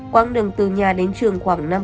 quang đường từ nhà đến trường khoảng năm km